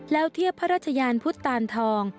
แล้วเทียบพระราชยานพุทธตานทอง